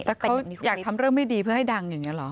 แต่เขาอยากทำเรื่องไม่ดีเพื่อให้ดังอย่างนี้หรอ